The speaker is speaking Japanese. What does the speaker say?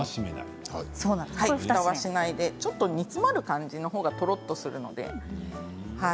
ふたはしないでちょっと煮詰まる感じの方がとろっとするので。